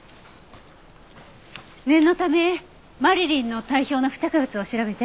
念のためマリリンの体表の付着物を調べて。